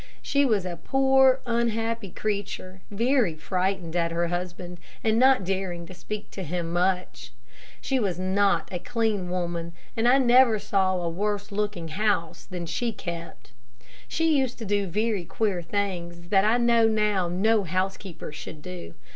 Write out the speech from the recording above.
She was a poor, unhappy creature, very frightened at her husband, and not daring to speak much to him. She was not a clean woman, and I never saw a worse looking house than she kept. She used to do very queer things, that I know now no housekeeper should do.